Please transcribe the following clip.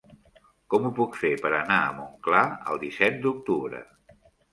Com ho puc fer per anar a Montclar el disset d'octubre?